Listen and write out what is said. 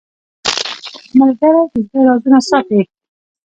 ملګری د زړه رازونه ساتي